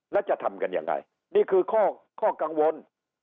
แล้วจะทำกันยังไงนี่คือข้อกังวล